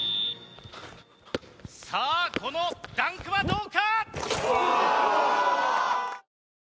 さあこのダンクはどうか？